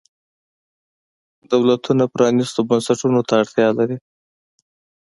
دولتونه پرانیستو بنسټونو ته اړتیا لري.